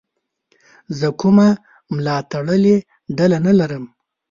زه کومه ملاتړلې ډله نه لرم.